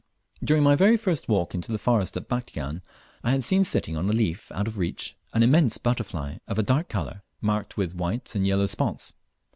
During my very first walk into the forest at Batchian, I had seen sitting on a leaf out of reach, an immense butterfly of a dark colour marked with white and yellow spots.